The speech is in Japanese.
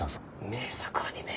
名作アニメ。